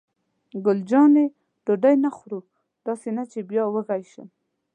ګل جانې: ډوډۍ نه خورو؟ داسې نه چې بیا وږې شم.